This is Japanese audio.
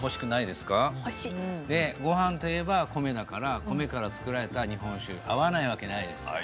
でごはんといえば米だから米から造られた日本酒合わないわけないですよね。